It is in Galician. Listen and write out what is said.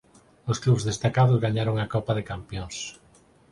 Os clubs destacados gañaron a Copa de Campións.